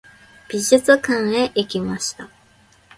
美術館へ行きました。